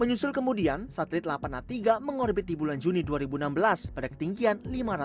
menyusul kemudian satelit a dua yang dikembangkan di ranca bungur bogor diluncurkan dari kota srihari india